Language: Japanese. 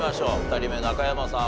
２人目中山さん